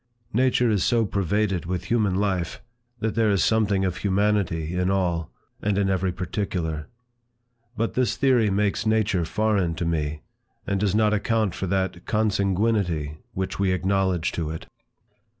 Nature is so pervaded with human life, that there is something of humanity in all, and in every particular. But this theory makes nature foreign to me, and does not account for that consanguinity which we acknowledge to it.